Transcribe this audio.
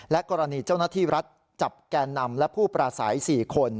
กรณีเจ้าหน้าที่รัฐจับแก่นำและผู้ปราศัย๔คน